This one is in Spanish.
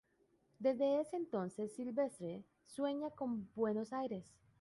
Desde ese entonces Silvestre sueña con Buenos Aires.